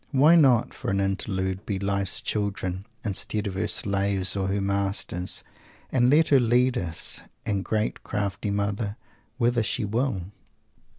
Why not, for an interlude, be Life's children, instead of her slaves or her masters, and let Her lead us, the great crafty Mother, whither she will?"